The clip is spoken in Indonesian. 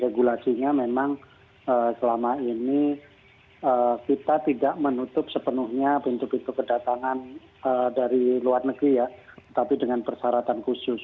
regulasinya memang selama ini kita tidak menutup sepenuhnya pintu pintu kedatangan dari luar negeri ya tapi dengan persyaratan khusus